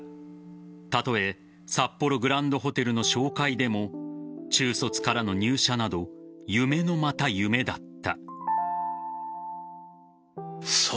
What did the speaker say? たとえ札幌グランドホテルの紹介でも中卒からの入社など夢のまた夢だった。